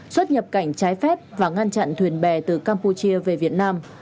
xuất nhập cảnh trái phép và ngăn chặn thuyền bè từ campuchia về việt nam